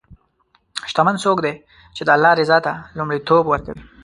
شتمن څوک دی چې د الله رضا ته لومړیتوب ورکوي.